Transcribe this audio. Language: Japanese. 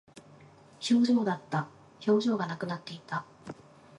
表情だった。表情がなくなっていた。